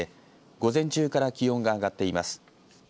午前中から気温が上がっています。